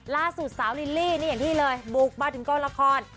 ล่าสุดสาวลิลลี่นี่อย่างที่เลยบุกมาถึงกองละคร